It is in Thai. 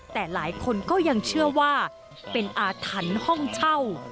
แต่หลายคนก็ยังเชื่อว่าเป็นอาถรรพ์ห้องเช่า